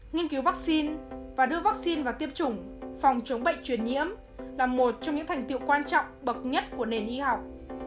nghiên cứu vắc xin và đưa vắc xin vào tiêm chủng phòng chống bệnh truyền nhiễm là một trong những thành tiệu quan trọng bậc nhất của nền y học